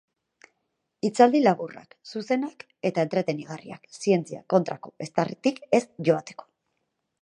Hitzaldi laburrak, zuzenak eta entretenigarriak, zientzia kontrako eztarritik ez joateko.